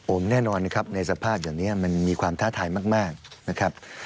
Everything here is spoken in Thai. ผมแน่นอนนะครับในสภาพอย่างนี้มันมีความท้าทายมากนะครับ